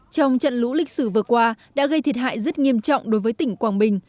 trong trận lũ lịch sử vừa qua đã gây thiệt hại rất nghiêm trọng đối với tỉnh quảng bình